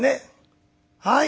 はい。